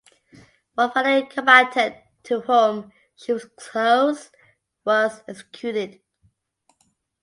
One fellow combatant to whom she was close was executed.